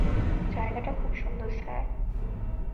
জায়গাটা খুব সুন্দর, স্যার।